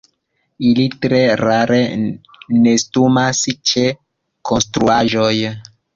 Ili tre rare nestumas ĉe konstruaĵoj.